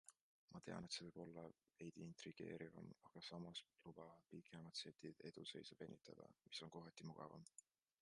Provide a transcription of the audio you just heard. Ma tean, et see võib olla veidi intrigeerivam, aga samas lubavad pikemad setid eduseisu venitada, mis on kohati mugavam.